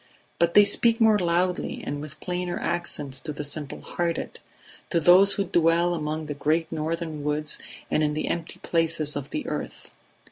But they speak more loudly and with plainer accents to the simple hearted, to those who dwell among the great northern woods and in the empty places of the earth.